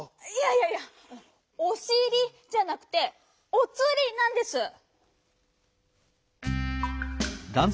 いやいやいや「オシリ」じゃなくて「オツリ」なんです！